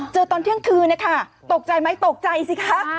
ตอนเที่ยงคืนนะคะตกใจไหมตกใจสิคะ